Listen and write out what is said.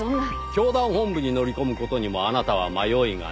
教団本部に乗り込む事にもあなたは迷いがなかった。